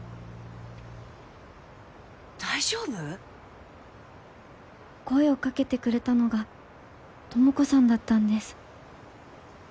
大丈夫？声をかけてくれたのが朋子さんだったんです。